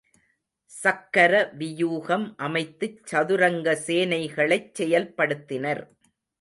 சக்கர வியூகம் அமைத்துச் சதுரங்க சேனைகளைச் செயல்படுத்தினர்.